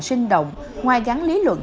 sinh động ngoài gắn lý luận